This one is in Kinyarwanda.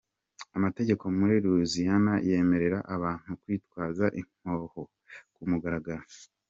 Amategeko muri Louisiana yemerera abantu kwitwaza inkoho ku mugaragaro.